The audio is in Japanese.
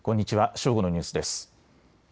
正午のニュースです。